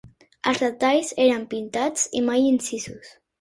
Els detalls eren pintats i mai incisos.